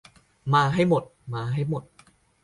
มาให้หมด มาให้หมด